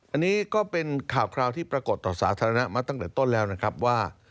อันนี้ก็เป็นข่าวคราวที่ปรากฏต่อสาธารณะมาตั้งแต่ต้นแล้วนะครับว่า